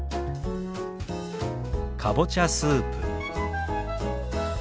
「かぼちゃスープ」。